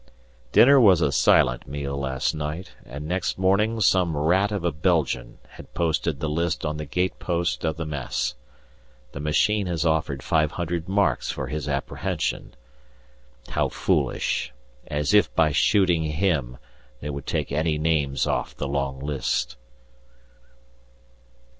Dinner was a silent meal last night, and next morning some rat of a Belgian had posted the list on the gatepost of the Mess. The machine has offered five hundred marks for his apprehension how foolish; as if by shooting him they would take any names off the long list.